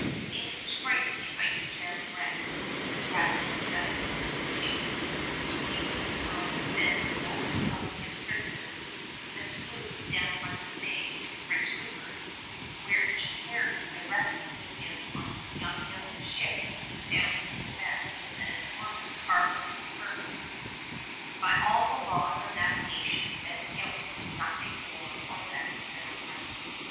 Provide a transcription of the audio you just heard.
In spring the ice jam wrecked Radisson's vessels, too, so he was compelled to send the most of his prisoners in a sloop down Hudson Bay to Prince Rupert, while he carried the rest with him on young Gillam's ship down to Quebec with an enormous cargo of furs. By all the laws of navigation Ben Gillam was nothing more or less than pirate.